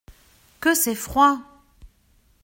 Que c’est froid !